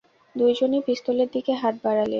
দুজনই পিস্তলের দিকে হাত বাড়ালে।